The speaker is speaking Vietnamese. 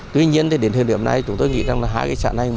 tuy nhiên đến thời điểm này chúng tôi nghĩ rằng là hai xã này